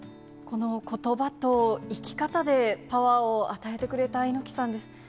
このことばと生き方で、パワーを与えてくれた猪木さんです。